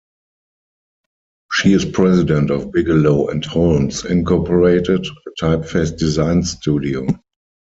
She is President of Bigelow and Holmes Incorporated a typeface design studio.